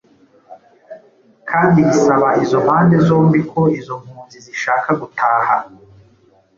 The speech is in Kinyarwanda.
kandi risaba izo mpande zombi ko izo mpunzi zishaka gutaha "